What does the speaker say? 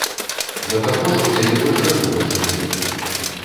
Да таго ж, у яе большая група, чым у іх.